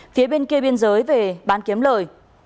phía bên kia biên giới về bán kiếm lời